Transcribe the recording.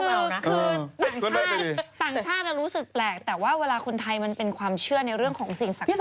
คือต่างชาติต่างชาติรู้สึกแปลกแต่ว่าเวลาคนไทยมันเป็นความเชื่อในเรื่องของสิ่งศักดิ์